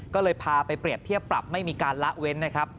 ก็เลยพาไปเปรียบเทียบปรับไม่มีการละเว้นนะครับ